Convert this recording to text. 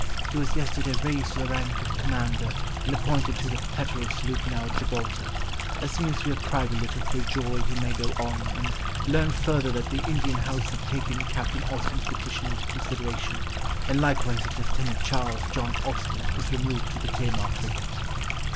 He was yesterday raised to the rank of Commander, and appointed to the Petterel sloop now at Gibraltar.... As soon as you have cried a little for joy you may go on, and learn further that the Indian House have taken Captain Austen's petition into consideration, and likewise that Lieutenant Charles John Austen is removed to the Tamar frigate."